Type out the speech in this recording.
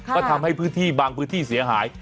ก็ทำให้บางพื้นที่เสียหาย